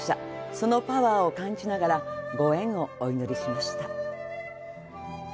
そのパワーを感じながらご縁をお祈りしました。